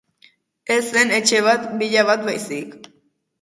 Ez zen etxe bat, villa bat baizik.